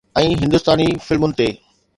۽ هندستاني فلمن تي